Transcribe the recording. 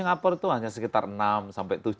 singapura itu hanya sekitar enam sampai tujuh gitu ya